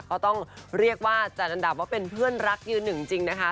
ก็ต้องเรียกว่าจัดอันดับว่าเป็นเพื่อนรักยืนหนึ่งจริงนะคะ